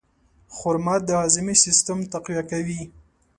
خرما د هاضمې سیستم تقویه کوي.